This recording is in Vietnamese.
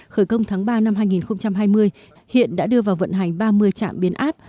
khởi công tháng ba năm hai nghìn hai mươi hiện đã đưa vào vận hành ba mươi trạm biến áp